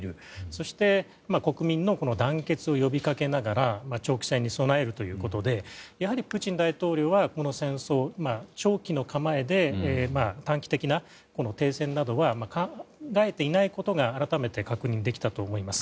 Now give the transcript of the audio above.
そして国民の団結を呼びかけながら長期戦に備えるということでやはりプーチン大統領はこの戦争を長期の構えで短期的な停戦などは考えていないことが改めて確認できたと思います。